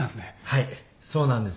はいそうなんです。